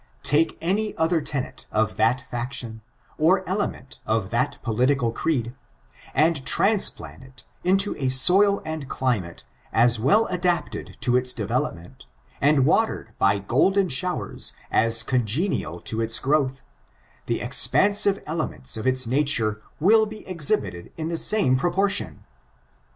Take any other tenet of that faction, or element of that political creed, and transplant it into a soil and climate as well adapted to its develop ment, and watered by golden showers as congenial to its growth, the expansive elements of its nature will be exhibited in the same proportion.